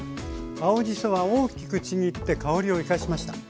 青じそは大きくちぎって香りを生かしました。